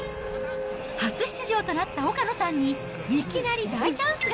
初出場となった岡野さんに、いきなり大チャンスが。